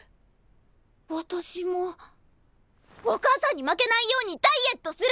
私もお母さんに負けないようにダイエットする！